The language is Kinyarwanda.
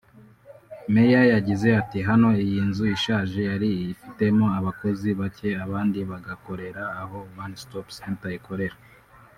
Meya yagize ati “Hano iyi nzu (ishaje) yari ifitemo abakozi bake abandi bagakorera aho One stop center ikorera